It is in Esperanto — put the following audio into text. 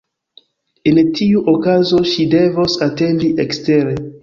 En tiu okazo ŝi devos atendi ekstere.